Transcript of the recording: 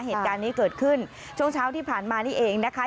เหตุการณ์นี้เกิดขึ้นช่วงเช้าที่ผ่านมานี่เองนะคะ